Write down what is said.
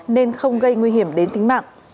nên không gây nguy hiểm đến tính mạng